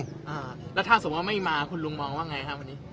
อ่าแล้วถ้าสมมุติไม่มาคุณลุงมองว่าไงครับวันนี้